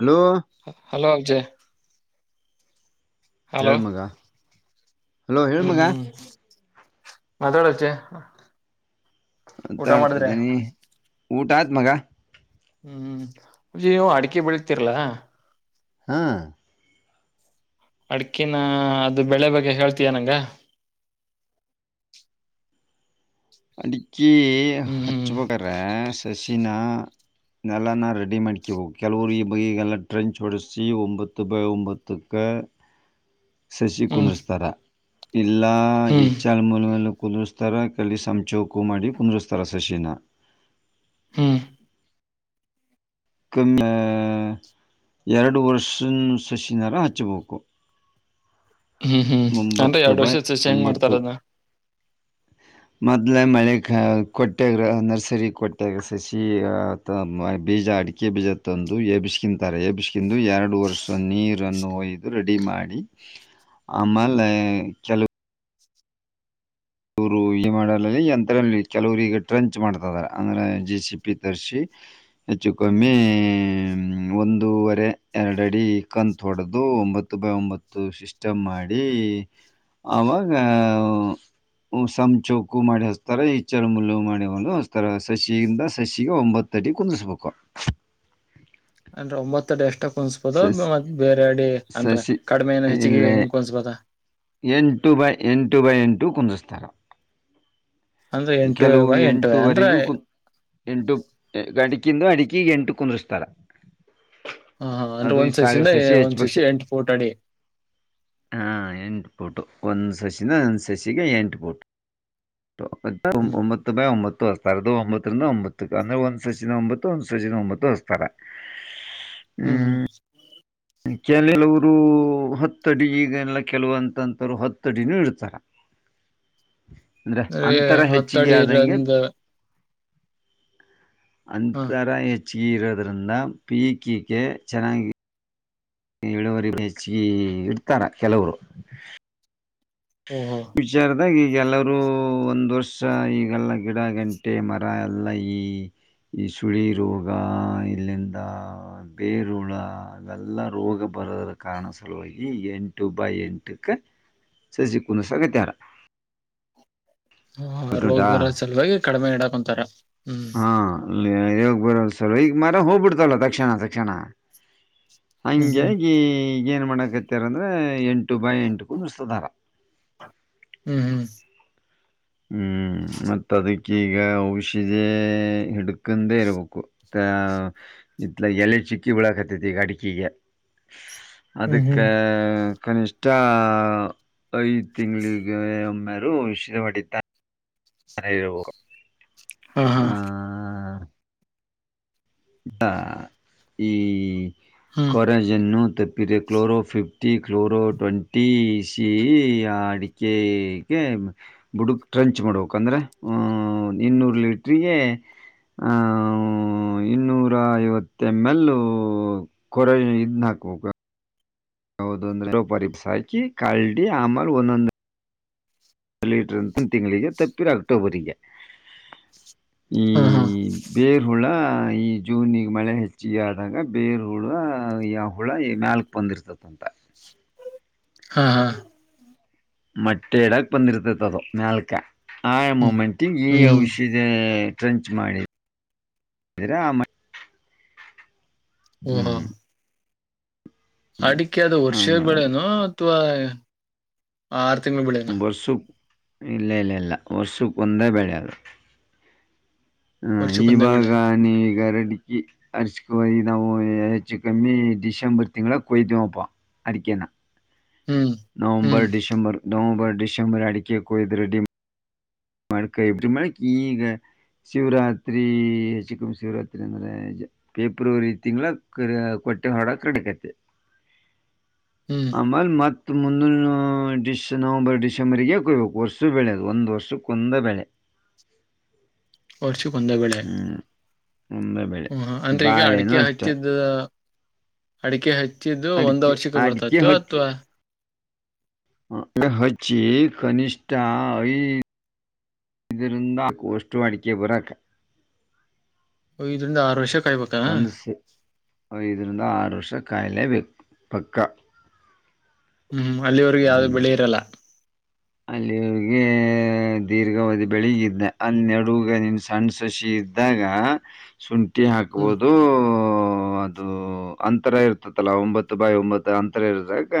Hello hello Ajay. Hello ಹೇಳ್ಮಗ hello ಹೇಳ್ಮಗಾ. ಮಾತಾಳಚೆ. ತಡ್ತದೀ ನೀ ಊಟಾತ್. ಮಗಾ. ಹ್ಮ್ ಜಯ್ ನೀವು ಅಡಿಕೆ ಬೆಳ್ತಿರ್ಲ. ಹಾ. ಅಡ್ಕಿನ ಅದು ಬೆಳೆ ಬಗ್ಗೆ ಹೇಳ್ತಯ ನಂಗ. ಅಡಿಕ್. ಕಿ ಹ್ಮ್ ಹ್ಮ್ ಹಚ್ಚಬೇಕರ ಸಸಿ. ಚ್ಚಿನ ನೆಲನ ರೆಡಿ ಮ್ಯಾಡ್ಕಬೇಕು ಕೆಲವರು ಈ ಬಗೆಗೆಲ್ಲ ಟ್ರೆಂಚ್ ಓಡಿಸಿ ಒಂಬತ್ತು ಬೈ ಒಂಬತ್ತಕ್ಕ. ಸಸಿ ಹ್ಮ್ ಕುಂದ್ರಸ್ತಾರ. ಇಲ್ಲಾ ಹ್ಮ್ ಹೆಚ್ಚಲ್ ಮೂಲ್. ರಸ್ತಾರ ಕಲ್ಲಿಸಾಮಚಒಕು ಮಾಡಿ ಪುಂದರುಸ್ತಾರ ಸಸಿನಾ. ಹ್ಮ್. ಕಮ್ಮ ಎರಡು ವರ್ಷನ್ ಸಸಿನರ ಹಚ್ಚಬೇಕು. ಹ್ಮ್ ಹ್ಮ್ ಅಂದ್ರೆ ಒಂಬತ್ತು ಎರಡು ಬೈ ವರ್ಷದ ಸಸಿ ಹೆಂಗ್ ಮಾಡ್ತಾರದನ್ನ. ಮೊದ್ಲ ಮಳೆ ಕೊಟ್ಟ್ಯಾಗ ನರ್ಸರಿ ಕೊಟ್ಟಾಗ ಸಸಿ ಬೀಜ ಅಡಿಕೆ ಬೀಜ ತಂದು ಎಬಿಸಕಿಂತಾರೆ ಎಬಿಸಕಂದು ಎರಡು ವರ್ಷ ನೀರನ್ನ ಒಯ್ದು ರೆಡಿ ಮಾಡಿ ಆಮಾಲೆ ಕೆಲವು. ಕೆಲವರು ಈ ಮಾಡಲ್ಲಲ್ಲಿ ಯಂಥರಲ್ಲಿ ಕೆಲವ್ರ ಈಗ ಟ್ರಂಚ್ ಮಾಡ್ತಾರೆ ಅಂದ್ರೆ ಜಿ ಸಿ ಪಿ ತರಿಸಿ ಹೆಚ್ಚು ಕಮ್ಮಿ ಒಂದೂವರೆ ಎರಡು ಅಡಿ ಕಂತ್ ಹೊಡೆದು ಒಂಬತ್ತು ಬೈ ಒಂಬತ್ತು ಸಿಸ್ಟಮ್ ಮಾಡಿ ಆವಾಗ. ಸಂಚೋಕು ಮಾಡಿ ಹಚ್ತಾರ ಈಚ್ಚಳ ಮುುಲ್ಲು ಮಾಡಿ ಒಂದು ಹಚ್ತಾರ ಸಸಿಿಯಿಂದ ಸಸಿಗೆ ಒಂಬತ್ತಟಿ ಕುುದಿಸ್ಬೇಕು ಅನ್್ರ ಒಂಬತ್ತತ್ತುಡ್ ಎಷ್ಟ ಕುನ್ಸ್ಬೋದ ಮತ್ ಬೇರೆ ಅಡಿ ಅಂದ್ರ ಸಸಿ ಕಡಿಮೆಏ ಹೆಚ್ಚಿಗೆ ಇಲ್ಲೇ ಹಿಂಗ್ ಕನ್ಸ್ಬೋದ ಎಂಟು ಬೈ ಎಂಟು ಬೈ ಎಂಟು ಕುಂದಸ್ಾರೆ ಅಂದ್ರೆ ಎಂಟು ಬ ಎಂಟು ಅಂದ್ರ ಎಂಟುವರೆಗೂ ಕುಂ ಎಂಟು ಅಡಕಿಂದು ಅಡಿಕಿ ಎಂಟು ಕುುದರಿಸಿಸ್ತಾರೆ ಹಾ ಹಾ ಅಂದ್ರೆ ಒಂದ್ ಸೈಜಂದ ಒಂದ್ ಹೆಚ್ಚಬೇಕ್ ಸೈಜ ಎಂಟು ಫೋರ್ಟ್ ಅಡಿ ಕೊಟ್ಟು ಒಂದು ಸಸಿನ ಒಂದು ಸಸಿಗೆ ಎಂಟು ಬಟ್ಟು ಟ್ಟು ಹ್ಮ್ ಒಂಬತ್ತು ಬೈ ಒಂಬತ್ತು ಅತ ರದುು ಒಂಬತ್ತರಿಂದ ಒಂಬತ್ತಕ್ಕೆ ಅಂದ್ರೆ ಒಂದು್ ಸಸಿನ ಒಂಬತ್ತು ಒಂದು್ ಸಸಿನ ಒಂಬತ್ತು ಹೊಸ್ತರ ಹ್ಮ್ ಹ್ಮ್ ಕೆಲಲವರು ಹತ್ತ ಅಡಿ ಈಗಲ್ಲ ಕೆಲವಂತಂತರು ಹತ್ತ ಅಡಿನೂ ಇಡ್ತಾರೆ ಅ್ರ ಅತ್ತಡಿ ಆದಂಗೆ ರಂದ ಅಂತರ ಹೆಚ್ಚು ಚೀ ಇರೋದ್ರಿಂದ ಪೀಕಿಗೆ ಚೆನ್ನಾಗಿ ಇಳುವರಿ ಹೆಚ್ಚಗಿ ಇಡ್ತಾರ ಕೆಲವರು ಓಹೋ ವಿಚಾರದಾಗಿ ಈಗೆಲ್ಲರೂ ಒಂದು ವರ್ಷ ಈಗೆಲ್ಲ ಗಿಡ ಗಂಟೆ ಮರ ಎಲ್ಲ ಈ ಈ ಸುಳಿ ರೋಗ ಇಲ್ಲಿಂದ ಬೇರುಳ ಎಲ್ಲ ರೋಗ ಬರದರ ಕಾರಣ ಸಲುವಾಗಿ ಎಂಟು ಬೈ ಎಂಟಕ್ಕೆ ಸಜ ಕಿಸ ಸಾವಗ ತರ ಹಾ ರೋಗ್ ಬರ ಅಲ್ವ ಕಡಿಮೆ ಇಡಾಕ್ೊಂತಾರ ಹ್ಮ್ ಇಲ್ಲ ಯಾಗ ಬರ ಸಲ ಈಗ ಮಾರ ಹೋಗ್ಬಿಡ್ತಲ್ಲ ತಕ್ಷಣ ತಕ್ಷಣ ಹ್ಮ್ ಹಗೆಾಗಿ ಏನು ಮಾಡಕತ್ತಾರ ಅಂದ್ರೆ ಎಂಟು ಎು ಬಾಯ ಎಂಟುಕೂ ನಿಸಧರ ಹ್ಮ್ ಹ್ಮ್ ಹ್ಮ್ ಮತ್ತ ಅದಕ್ಕೀಗ ಔಷಧಿ ಹಿಡ್ಕಂದೆ ಇರ್ಬೇಕು ಅ ಇತ್ಲ ಎಲೆ ಚಿಕ್ಕಿ ಬಿಳಕತ್ತತಿ ಈಗ ಅಡಿಕಿಗೆ ಹ್ಮ್ ಹ್ಮ್ ಹ್ಮ್ ಅದಕ್ಕೆ ಕನಿಷ್ ಐದು ತಿಂಗ್ಳಿಗೆ ಅಮ್ಮಾರ ಇಷ ಪಡಿ [inaudible] ನಾನ ಎದುಬೋಗ ಹಾ ಹಾ ಾ ಈ ಹ್ಮ್ ಕೊಾರ ಜ ತಪ್ಪಿದರೆ chloro fifty chloro twenty C ಆ ಅಡಿಕೆಗೆ ಬುಡುಕ್ ಟ್ರಂಚ್ ಮಾಡ್ಬೇಕಂದ್ರೆ ಇನ್ನೂರು ಲೀಟ್ರಿಗೆ ಇನ್ನೂರ ಐವತ್ತ ಎಂ ಎಲ್ ಕೊರೆ ಇದ್ನ್ನ ಹಾಕ್ಬೇಕ ಯಾದೊಂದ್ರೆ ಡೋಪರಿಪ್ಸ್ ಹಾಕಿ ಕಲ್ಡಿ ಆಮೇಲೆ ಒಂದೊಂದ ಲೀಟರ್ ತಿಂಗಳಿಗೆ ತಪ್ಪೀರ ಅಕ್ಟೋಬರ್ರಿಗೆ ಈ ಹಾ ಹಾ ಬೇರ್ ಹುಳ ಈ ಜೂನ್ಗೆ ಮಳೆ ಹೆಚ್ಚಿಗೆ ಆದಾಗ ಬೇರ್ ಹುಳ ಈ ಆ ಹುಳ ಮ್ಯಾಲಕ್ ಬಂದಿರ್ತಂತ ಹಾ ಹಾ ಮಟ್ಟೆ ಇಡಕ್ ಬಂದಿರ್ತೈತಿ ಅದು ಮ್ಯಾಲ್ಕ ಆ ಹ್ಮ್ ಮೊಮೆಂಟಿಗಿ ಹ್ಮ್ ಈ ಹ್ಮ್ ಔಷಧ ಫ್ರೆಂಚ್ ಮಾಡಿ ತಿರಾ ಮ ಹ್ಮ ಹಾ ಹ್ಮ್ ಅಡಿಕೆ ಅದು ವರ್ಷ ಆಮೇಲೆ ಬೆಳೆನೋ ತ್ವಾ ಆರ್ ಬರ್ಷು ಇಲ್ಲ ಇಲ್ಲ ಇಲ್ಲ ವರ್ಷಕ್ಕೆ ಒಂದೇ ಬೆಳೆ ಹ್ಮ ಈ ವರ್ಷಕ್ಕೊಂದೇ ಭಾಗ ಬೆಳೆ ನೀ ಈಗ ರೆಡ್ಗಿ ಅರ್ ಇವಾಗ ಈ ನಾವು ಹೆಚ್ಚು ಕಮ್ಮಿ ಡಿಸೆಂಬರ್ ತಿಂಗ್ಳಾಗ ಕೊಯ್ತೀವಪ್ಪ ಅಡಿಕೆ ನಾ ಹ್ಮ್ ನವಂಬರ್ ಹ್ಮ್ ಡಿ ಡಿಸೆಂಬರ್ ನವಂಬರ್ ಡಿಸೆಂಬರ್ ಅಡಿಕಿಯ ಕೊಯ್ದ ರೆೆಡಿ ಮಾಡಿ ಕೈ ಇಟ್ಟ ಮಳಕ ಈಗ ಶಿವರಾತ್ರಿ ಹೆಚ್ಚುಕಮ್ಮಿ ಶಿವರಾತ್ರಿ ಅಂದ್ರೆ ಫೆಬ್ರವರಿ ತಿಂಗಳ ಕೊಟ್ಟೆ ಹೊರಡಕ್ ರಡಿ ಅಕ್ಕತಿ ಹ್ಮ್ ಆಮೇಲೆ ಮತ್ತ ಮುಂದುನ್ವೂ ಡಿಶ್ ನವಂಬರ್ ಡಿಸೆಂಬರ್ಗೆ ಕೊ ಒಂದ ವರ್ಷ ಬೆಳದು ಒಂದ್ ವರ್ಷ ಕುಂದಬೆಳೆ ಹೌದು [unintelligible] ರ್ಷಕ್ಕೊಂದ ಬೆಳೆ ಒಂದೇ ಬೆಳೆ ಹ್ಮ ಹಾ ಅಂದ್ರೆ ಈಗ ಬಾಳೆನೂ ಅಡಿಕೆ ಅಷ್ಟ ಹಾಕಿದ್ದ ಅಡಿಕೆ ಹ ಚ್ಚಿದ್ದು ಒಂದ ಅಡಿಕೆ ವರ್ಷಕ್ಕೆ ಬರ್ತತೋ ಅಥವಾ ಅದ ಹಚ್ಚಿ ಕನಿಷ್ಠ ಐದರಿಂದ ವಸ್ಟೂ ಅಡಿಕೆ ಬರಾಕ ಐದರಿಂದ ಆರು ವರ್ಷ ಕಾಯ್ಬೇಕಾ ಐದರಿಂದ ಆರು ವರ್ಷ ಕಾಯಿಲೆ ಬೇಕು ಪಕ್ಕ ಹ್ಮ್ ಅಲ್ಲಿ ವರ್ಗ ಯಾವ್ದು ಹ್ಮ್ ಬೆಳಿ ಇರಲ್ಲ ಅಲ್ಲಿ ಅವಗೆ ದೀರ್ಘಾವಧಿ ಬೆಳಿಗಿದ್ದ ಅಲ್ಲಿೆ ನಡೂವ್ಗ ನಿನ್ ಸಣ್ಣ್ ಸೊಸಿ ಇದ್ದಾಗ ಶುಂಠ್ ಠೀ ಹ್ಮ್ ಹಾಕಬೋದು ಅದು ಅಂತರ ಇರ್ತದಲ್ಲ ಒಂಬತ್ತು ಬೈ ಒಂಬತ್ತು ಅಂತರ ಇರದಾಗ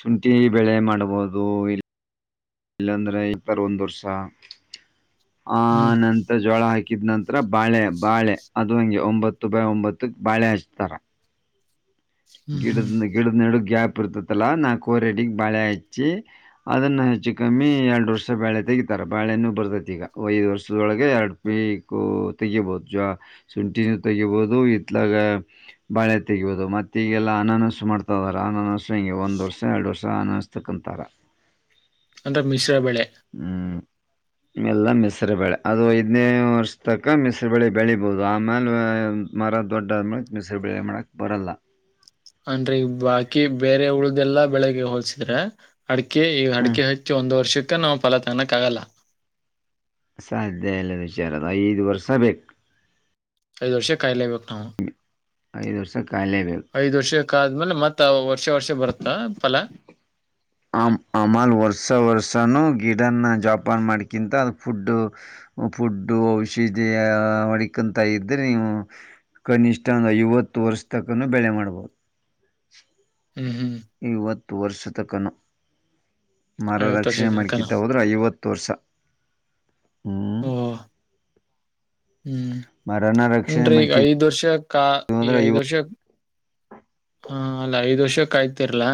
ಶುಂಠಿ ಬೆಳೆ ಮಾಡ್ಬೋದು ಇಲ್ ಇಲ್ಲಾಂದ್ರೆ ಇಬರ್ ಒಂದು ವರ್ಷ ಹ್ಮ್ ಆನಂತ್ರ ಜೋಳ ಹಾಕ್ ಹಾಕಿದ ನಂತರ ಬಾಳೆ ಬಾಳೆ ಅದು ಹಂಗೆ ಒಂಬತ್ತು ಬೈ ಒಂಬತ್ತಕ್ ಬಾಳೆ ಹಚ್ತಾರ ಹ್ಮ್ ಹ್ಮ್ ಗಿಡದ ಗಿಡದ ನಿಡ ಗ್ಯಾಪ್ ಬರ್ತತಲ್ಲ ನಾ ಕೋರೆಡಿಗೆ ಬಾಳೆ ಹಚ್ಚಿ ಅದನ್ನು ಹೆಚ್ಚು ಕಮ್ಮಿ ಎರಡು ವರ್ಷ ಬಾಳೆ ತೆಗೀತಾರೆ ಬಾಳೆನೂ ಬರ್ತತಿ ಈಗ ಐದು ವರ್ಷದೊಳಗೆ ಎರಡು ಪೀಕು ತೆಗಿಬೋದು ಜ ಶುಂಠಿನೂ ತೆಗಿಬೋದು ಇತ್ಲಾಗ ಬಾಳೆ ತೆಗಬೋದು ಮತ್ತುತ್ತ ೀಗೆಲ್ಲ ಅನಾನಸು ಮಾಡ್ತಾ ಇದಾರೆ ಅನಾನಸು ಹಿಂಗೆ ಒಂದು ವರ್ಷ ಎರಡು ವರ್ಷ ಅನನಿಸ್ತಕಂತಾರೆ ಅಂದ್ರ ಮಿಶ್ರ ಬೆಳೆ ಹ್ಮ್ ಎಲ್ಲ ಮೆಸರುಬಳೆ ಅದು ಐದ್ನೇ ವರ್ಷ ತಕ ಮೆಸರು ಬಳೆ ಬೆಳಿಬೋದು ಆಮೇಲೆ ಮರ ದೊಡ್ಡ ಆದ್ಮೇಲೆ ಮೆಸರು ಬೆಳೆ ಮಾಡಕ್ ಬರಲ್ಲ ಅನ್್ರೀ ಬಾಕಿ ಬೇರೆ ಉಳ್ದಲ್ಲಾ ಬೆಳಿಗ್ಗೆ ಹೋಲ್ಸಿದ್ರೆ ಅಡಿಕೆ ಈ ಅಡಿಕೆ ಹಚ್ಚಿ ಒಂದು್ ವರ್ಷ ಕ್ಕ ನಾವು ಫಲ ತಾನಕ್ಕ ಆಗಲ್ಲ ಸಾಧ್ಯ ಅಲ್ಲ ವಿಚಾರದ ಐದು ವರ್ಷ ಬು ದರ್ಶ ಕಾಯಲಬೇಕ ನಾವು ಐದು ವರ್ಷ ಕಾಯಲೇಬೇಕು ಐದು ವರ್ಷೆ ಕ ಅ್ಮೇಲೆ ಮತ್ತ ವರ್ಷ ವರ್ಷ ಬರುತ್ತಾ ಫಲ ಆಮ್ ಆಮಲ್ ವರ್ಷ ವರ್ಸಾನೂ ಗಿಡನ್ನ ಜಾಪನ್ ಮಾಡಕಿಂತ ಅ ಫುಡ್ಡು ಫುಡ್ಡು ಔಷಧಿಯ ಅಡಿಕಂತ ಇದ್ರೆ ನೀವು ಕನಿಷ್ ಒಂದ್ ಐವತ್ತು ವರ್ಷ ತಕನುೂ ಬೆಳೆ ಮಾಡ್ಬೋದು ಹ್ಮ್ ಹ್ಮ್ ಇವತ್ತು ತುವರ್ರಿಸತಕನ ಮರ ಐವತ್ ವರ್ಷ ರಕ್ಷಣೆ ತನಕನ ಮಾಡ್ಕಿದ್ದ ಹೋದ್ರೆ ಐವತ್ತು ವರ್ಷ ಹ್ಮ ಓ ಹ್ಮ್ ರಕ್ಷಣೆ ನ್ರಿ ಮಾಡ್ಕಿ ಐದ್ ವರ್ಷ ಕಾ ಈ ಹೋದ್ರೆ ಐವ ಐದುರ್ಷ ಹಾ ಅಲ್ಲ ಐದ್ ವರ್ಷಕ್ಕಾಯ್ತಿರ್ಲಾ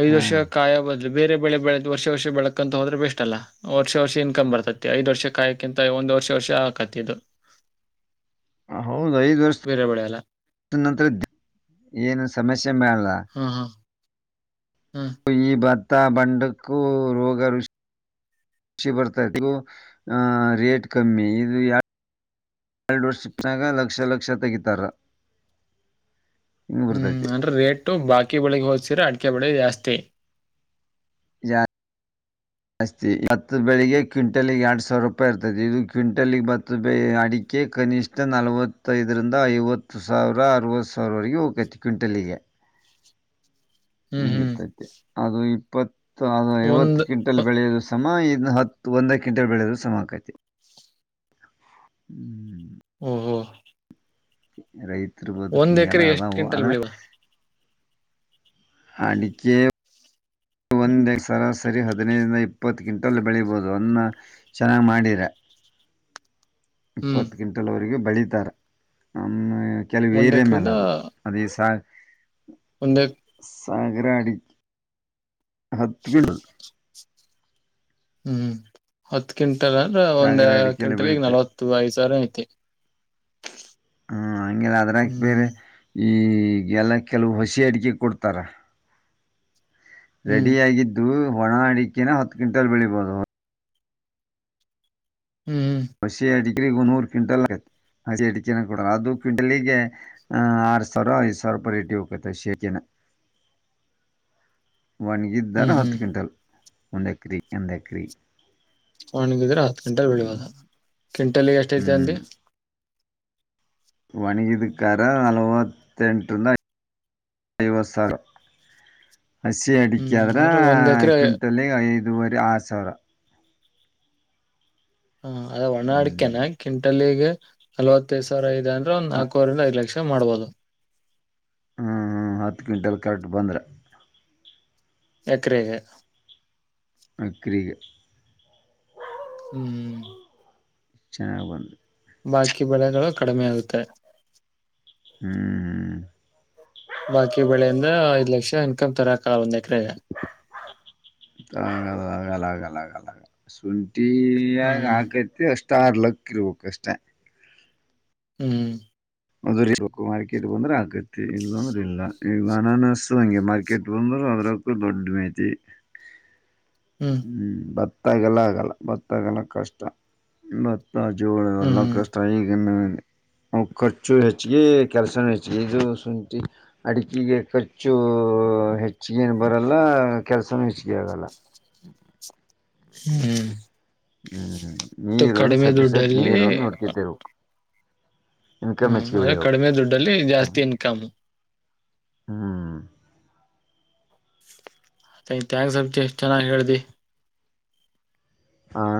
ಐದು ಹ ವರ್ಷ ಕಾಯ ಬದ ಬೇರೆ ಬೆಳಿ ಬೆಳತ್ ವರ್ಷ ವರ್ಷ ಬೆಳಕಂತ ಹೋದ್ರೆ ಬೆಸ್ಟ್ ಅಲ್ಲ ವರ್ಷ ವರ್ಷ ಇನ್ಕಮ್ ಬರ್ತೈತಿ ಐ್ ವರ್ಷ ಕಾಯಕ್ಕಿಂತ ಒಂದ್ ವರ್ಷ ವರ್ಷ ಆಾಕತಿ ಇದು ಹೌದು ಐದ್ ವರ್ಷ ಬೇರೆ ಬೆಳೆ ಎಲ್ಲ ನಂತರ ಇದ್ದ ಏನು ಸಮಸ್ಯೆ ಮೇಲ್ಲ ಹಾ ಹಾ ಹಾ ಈ ಬತ ಬಂಡಕ್ಕೂ ರೋಗ ಋಷಿ ರುಿ ಬರ್ತದು ರೇಟ್ ಕಮ್ಮಿ ಇದು ಎರಡು ವರ್ಷಾಗ ಲಕ್ಷ ಲಕ್ಷ ತೆಗಿತಾರ ಹಿಂಗ್ ಹ್ಮ್ ಬರ್ತೈತಿ ಅಂದ್ರೆ ರೇಟ್ ಬಾಕಿ ಬೆಳಿಗ್ ಹೋದ್ತೀರ ಅಡ್ ಕೆಬಡೆ ರಸ್ತೆ ಜಾ ಜಾಸ್ತಿ ಹತ್ತು ಬೆಳಿಗ್ಗೆ ಕ್ವಿಂಟಲಗೆ ಎರಡು ಸಾವಿರ ರೂಪಾಯಿ ಇರ್ತೈತಿ ಇದು ಕ್ವಿಂಟಲಗೆ ಹತ್ತು ಬೆಳ ಅಡಿಕೆ ಕನಿಷ್ಠ ನಲ್ವತ್ತೈದರಿಂದ ಐವತ್ತು ಸಾವಿರ ಅರವತ್ತು ಸಾವಿರವರೆಗೆ ಹೋಗಕೈತಿ ಕ್ವಿಂಟಲಿಗೆ ಹ್ಮ್ ಹ ಹ್ಮ್ ಇರ್ತೈತಿ ಅದು ಈ ಪತ್ ಅದು ವತ್ತು ಒಂದ್ ಕ್ವಿಂಟಲ್ ಬೆಳೆಯೋದು ಸಮ ಇನ್ನು ಹತ್ತು ಒಂದ ಕ್ಂಟಲ್ ಬೆಳೆದ್ರರು ಸಮಮಕೈತಿ ಹ್ಮ ಹಓ ಹ್ಮ ರೈತ ತಿರುಪೋದಕ್ಕೀಂಗಲ್ಲ ಅ ಎಷ್ಟ್ ಹ ಕ್ವಿಂಟಲ್ ಅನ್ನ ಬೆಳಿವ ಅಡಿಕೆ ಒಂದು [unintelligible] ಸರಿ ಹದಿನೈದರಿಂದ ಇಪ್ಪತ್ತು ಕ್ವಿಂಟಲ್ ಬೆಳೀಬೋದು [unintelligible] ಚೆನ್ನಾಗಿ ಮಾಡಿರ ಹ್ಮ್ ಇಪ್ಪತ್ತು ಕ್ವಿಂಟಲ್ ವರಿಗೆ ಬೆಳತಾರೆ ನಮ್ಮ ಕೆಲವು ಒಂದ್ [unintelligible] ಒಂದು [unintelligible] ಹತ್ತು [unintelligible] ಹ್ಮ್ ಹತ್ತು ಅಂದ್ರ ಒಂದ್ ಸಾಗರ ಅಡಿಕೆ ಎಲ್ಲ ಕ್ವಿಂಟಲ್ಗೆ ಬೆಳೀತಾರೆ ನಲವತ್ತು ಐದ್ ಸಾವಿರ ಐತೆ ಹಂಗೆಲ್ಲ ಅದ್ರಾಗ ಬೇರೆ ಹ್ಮ್ ಈಗೆಲ್ಲ ಕೆಲವು ಹಸಿ ಅಡಿಕೆ ಕೊಡ್ತಾರೆ ಹ್ಮ್ ರೆಡಿ ಆಗಿದ್ದು ಒಣ ಅಡಿಕೆನ ಹತ್ತು ಕ್ವಿಂಟಲ್ ಬೆಳಿಬೋದು ಹ್ಮ್ ಹ್ಮ್ ಹಸಿ ಅಡಿಕೆ ನೂರು ಕ್ವಿಂಟಲ್ ಆಗುತ್ತೆ [unintelligible] ಅದು ಕ್ವಿಂಟಲಗೆ ಆರು ಸಾವಿರ ಐದ್ ಸಾವಿರ ರೇಟಿಗೆ ಹೋಗುತ್ತೆ ಹಸಿ ಆಡಿಕೆನೆ ಹ್ಮ್ ಒಣಗಿದ್ದಾರೆ ಹತ್ತು ಹ್ಮ್ ಕ್ವಿಂಟಲ್ ಒಂದೇಕ್ರಿ ಒಂದೇಕ್ರಿ ಒಣಗಿದರ ಕ್ವಿಂಟಲ್ ಬೆಳಿಬೋದು ಕ್ವಿಂಟಲ್ಗೆ ಎಷ್ಟ ಐತಿ ಹ್ಞೂ ಅಂದರ ಒಣಗಿದ ಕಾದ್ರ ನಲವತ್ತೆಂಟು ಸಾವಿರದಿಂದ ಐವತ್ತು ಸಾವಿರ. ಹಸಿ ಅಡಿಕೆ ಹ್ಮ್ ಆದ್ರ ಅಂದ್ರೆ ಒಂದ್ ಎಕರೆ ಕ್ವಿಂಟಲ್ಗೆ ಐದು ಐದುವರಿ ಆರು ಸಾವಿರ ಹಾ ಅದ ಒಣ ಅಡಿಕ್ಯಾನ ಹ್ಞೂ ಕಿಂಟಲ್ಲಿಗೆ ನಲವತ್ತು ಐದು ಸಾವಿರ ಇದೆ ನಾಲ್ಕುವರೆ ಐದು ಲಕ್ಷ ಮಾಡ್ಬೋದು ಹ್ಮ ಹತ್ತು ಕ್ವಿಂಟಲ್ ಕರೆಕ್ಟ್ ಬಂದ್ರೆ ಎಕ್ರೇಗೆ ಎಕರೆಗೆ ಹ್ಮ್ ಚೆನ್ನಾಗಿ ಬಂದ್ರೆ ಬಾಕಿ ಬೆಳೆಗಳು ಕಡಿಮೆ ಆಗುತ್ತೆ ಹ್ಮ್ ಹ್ಮ ಬಾಕಿ ಬೆಳೆ ಅಂದ್ರ ಐದ ಲಕ್ಷ ಇನ್ಕಮ್ ತರಕ್ ಒಂದು ಎಕರೆಗೆ ಅಗಲ್ ಅಗಲ್ ಅಗಲ್ ಆಗಲ್ಲ ಸುಲ್ ಹ್ಮ್ [unintelligible] ಲಕ್ ಇರ್ಬೇಕಷ್ಟೆ. ಹ್ಮ್ [unintelligible] ಇರ್ಬೇಕು ಮಾರ್ಕೆಟ್ ಬಂದ್ರೆ ಆಕತಿ ಇಲ್ಲ ಅಂದ್ರ ಇಲ್ಲ ಈಗ ಅನನ್ನಿಸಸ ಹಂಗೆ ಮಾರ್ಕೆಟ್ ಬಂದ್ರರು ಅದ್ರಕ್ಕೂ ದೊಡ್ಡ ಮೇತಿ. ಹ್ಮ್ ಬತ್ [unintelligible] ಜೋಳ ಎಲ್ಲ ಹ್ಮ್ ಕಷ್ಟ ಈಗಿನ [unintelligible] ಖರ್ಚು ಹೆಚ್ಚಿಗೆ ಕೆಲಸ ಹೆಚ್ಚಿಗೆ ಇದು ಶುಂಠಿ ಅಡಿಕೆಗೆ ಖರ್ಚು ಊ ಹೆಚ್ಚಿಗೆೇನು ಬರಲ್ಲ ಕೆಲಸನ ಹೆಚ್ಚಿಗೆ ಆಗಲ್ಲ. ಹ್ಮ್ [unintelligible] ನೀರು ಒಂದ್ ಕಡಿಮೆ [unintelligible] ದುಡ್ಡಲ್ಲಿ ನಿರೊಂದ್ ನೋಡ್ಕೆಂತಿರಬೇಕು. ಹ್ಮ [unintelligible] ಕಡಿಮೆ ದುಡ್ಡಲ್ಲಿ ಜಾಸ್ತಿ ಇನ್ಕಮ್. ಹ್ಮ್ ಥ್ಯಾಂಕ್ಸ್ [unintelligible] ಚೆನ್ನಾಗ್ ಹೇಳ್ದಿ. ಹ್ಹಾ